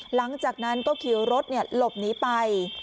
หลังจากนั้นก็ขิวรถเนี่ยหลบหนีไป